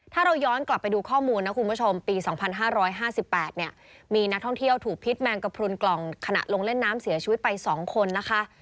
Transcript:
ถ้าเราย้อนกลับไปดูข้อมูลนะคุณผู้ชมปี๒๕๕๘เนี่ยมีนักท่องเที่ยวถูกพิษแมงกระพรุนกล่องขณะลงเล่นน้ำเสียชีวิตไป๒คนนะคะ